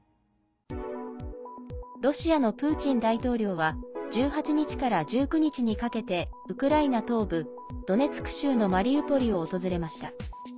ロシアのプーチン大統領は１８日から１９日にかけてウクライナ東部、ドネツク州のマリウポリを訪れました。